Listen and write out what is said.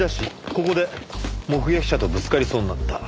ここで目撃者とぶつかりそうになった。